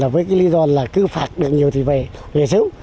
với cái lý do là cứ phạt được nhiều thì về sớm